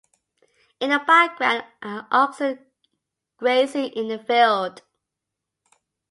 In the background are oxen grazing in the field.